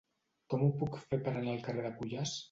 Com ho puc fer per anar al carrer de Cuyàs?